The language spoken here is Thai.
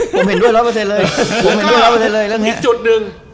ผมเห็นด้วย๑๐๐เลย